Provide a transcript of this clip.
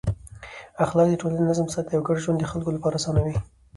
اخلاق د ټولنې نظم ساتي او ګډ ژوند د خلکو لپاره اسانوي.